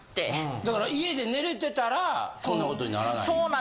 だから家で寝れてたらこんなことにならない。